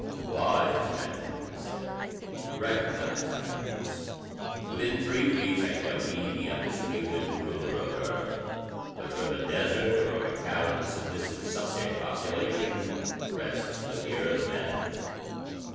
"Wise men," he said, "recognize facts. Within three weeks I shall be the undisputed ruler of Earth. Whether of a desert or of a cowed and submissive subject population, rests with the Earth men.